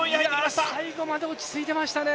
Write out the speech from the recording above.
最後まで落ち着いてましたね